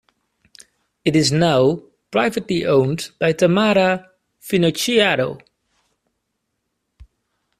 It is now privately owned by Tamara Finocchiaro.